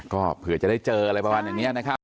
ก็เผื่อจะได้เจออะไรประมาณอย่างนี้นะครับ